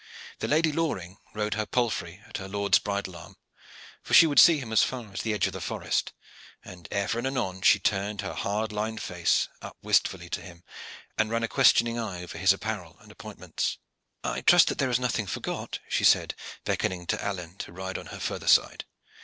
The Lady Loring rode her palfrey at her lord's bridle arm, for she would see him as far as the edge of the forest, and ever and anon she turned her hard lined face up wistfully to him and ran a questioning eye over his apparel and appointments. "I trust that there is nothing forgot," she said, beckoning to Alleyne to ride on her further side.